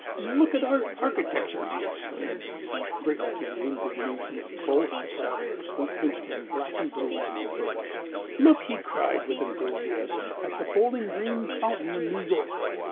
"Look at our architecture!" he exclaimed, greatly to the indignation of both the travellers, who pinched him black and blue to no purpose. "Look," he cried with enthusiasm, "at the Bowling Green Fountain in New York!